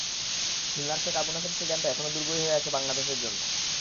খুলনার শেখ আবু নাসের স্টেডিয়ামটা এখনো দুর্গই হয়ে আছে বাংলাদেশের জন্য।